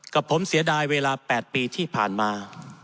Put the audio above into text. กับผมเสียดายเวลา๘ปีที่ผ่านมา